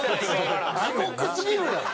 地獄すぎるやん。